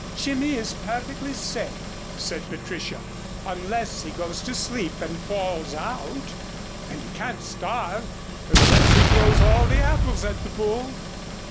"Jimmy is perfectly safe," said Patricia, "unless he goes to sleep and falls out; and he can't starve unless he throws all the apples at the bull."